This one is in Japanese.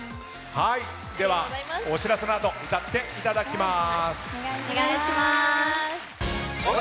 では、お知らせのあと歌っていただきます。